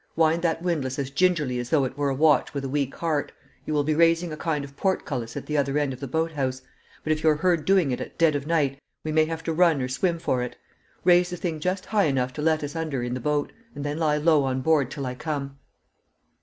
Wind that windlass as gingerly as though it were a watch with a weak heart; you will be raising a kind of portcullis at the other end of the boathouse, but if you're heard doing it at dead of night we may have to run or swim for it. Raise the thing just high enough to let us under in the boat, and then lie low on board till I come."